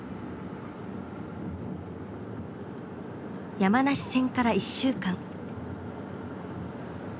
山梨戦から１週間。